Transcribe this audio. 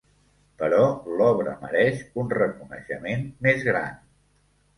Però l'obra mereix un reconeixement més gran.